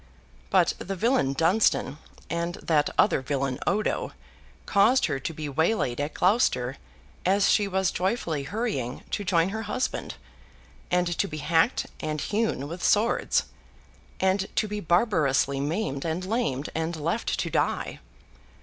But the villain Dunstan, and that other villain, Odo, caused her to be waylaid at Gloucester as she was joyfully hurrying to join her husband, and to be hacked and hewn with swords, and to be barbarously maimed and lamed, and left to die.